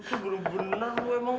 itu benar benar lo emang